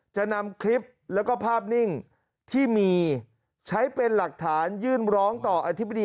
จะนำคลิปแล้วก็ภาพนิ่งที่มีใช้เป็นหลักฐานยื่นร้องต่ออธิบดี